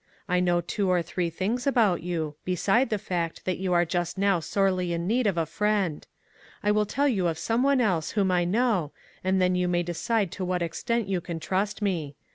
I know two or three things about you, beside the fact that you are just now sorely in need of a friend. I will tell you of some one else whom I know, and then you may decide to what extent you can trust me.